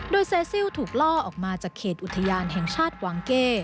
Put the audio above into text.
โดยเซซิลถูกล่อออกมาจากเขตอุทยานแห่งชาติกวางเก้